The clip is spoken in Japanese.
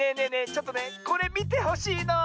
ちょっとねこれみてほしいの。